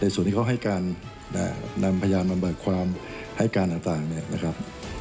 ส่วนที่เขาให้การนำพยานมาเบิกความให้การต่างเนี่ยนะครับ